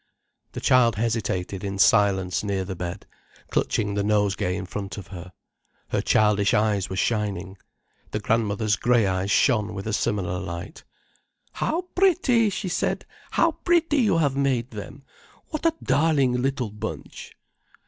The child hesitated in silence near the bed, clutching the nosegay in front of her. Her childish eyes were shining. The grandmother's grey eyes shone with a similar light. "How pretty!" she said. "How pretty you have made them! What a darling little bunch."